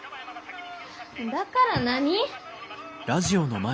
だから何？